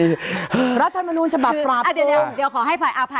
เดี๋ยวขอให้พลายอนับค่ะไปละค่ะ